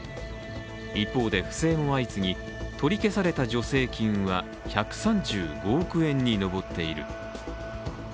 一方で不正も相次ぎ、取り消された助成金は１３５億円に上っている。